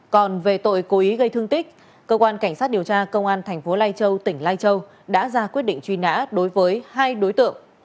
còn về tội cố ý gây thương tích cơ quan cảnh sát điều tra công an thành phố lai châu tỉnh lai châu đã ra quyết định truy nã đối với hai đối tượng